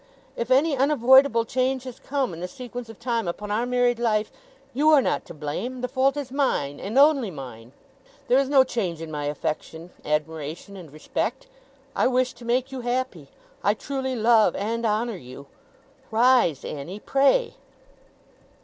If any unavoidable change has come, in the sequence of time, upon our married life, you are not to blame. The fault is mine, and only mine. There is no change in my affection, admiration, and respect. I wish to make you happy. I truly love and honour you. Rise, Annie, pray!